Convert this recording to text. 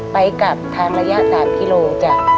ไปกลับทางระยะ๓กิโลจ้ะ